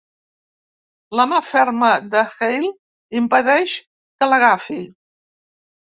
La mà ferma de Hale impedeix que l'agafi.